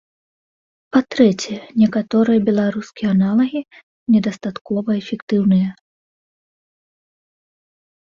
Па-трэцяе, некаторыя беларускія аналагі недастаткова эфектыўныя.